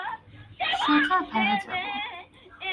সোজা ভ্যানে যাবো।